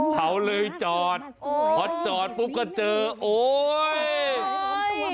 เขาเลยจอดพอจอดปุ๊บก็เจอโอ๊ย